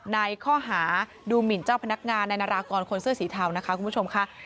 ในข้อหาดูหมินเจ้าพนักงานในนารากรคนเสื้อสีเทานะคะคุณผู้ชมค่ะ